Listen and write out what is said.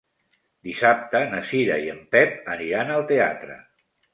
Dissabte na Cira i en Pep aniran al teatre.